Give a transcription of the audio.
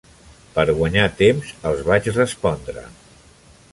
Per guanyar temps els vaig respondre.